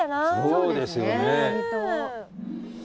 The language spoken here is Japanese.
そうですね。